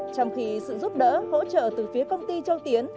trong khi sự giúp đỡ hỗ trợ từ phía công ty châu tiến